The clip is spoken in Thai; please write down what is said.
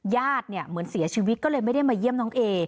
ญาติเนี่ยเหมือนเสียชีวิตก็เลยไม่ได้มาเยี่ยมน้องเอ